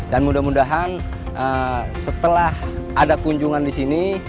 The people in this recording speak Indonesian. dan mudah mudahan setelah ada kunjungan disini